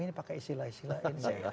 ini pakai istilah istilah ini